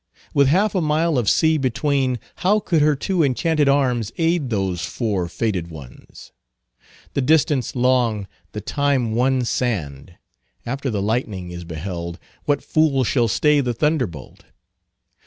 With half a mile of sea between, how could her two enchanted arms aid those four fated ones? The distance long, the time one sand. After the lightning is beheld, what fool shall stay the thunder bolt?